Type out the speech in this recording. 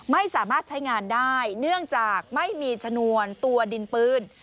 ไม่สามารถใช้งานได้เนื่องจากไม่มีชนวนตัวดินปืน